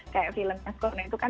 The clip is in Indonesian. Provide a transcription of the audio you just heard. kayak film soekarno itu kan